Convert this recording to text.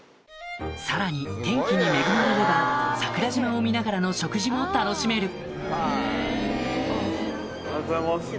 さらに天気に恵まれれば桜島を見ながらの食事も楽しめるありがとうございます。